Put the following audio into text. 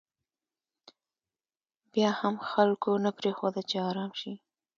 بیا هم خلکو نه پرېښوده چې ارام شي.